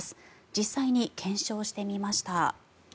実際に検証してみました。